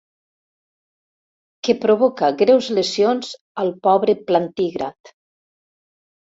Que provoca greus lesions al pobre plantígrad.